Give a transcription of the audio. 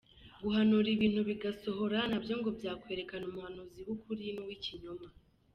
Guhanura ibintu bigasohora na byo ngo byakwerekana umuhanuzi w’ukuri n’uw’ibinyoma.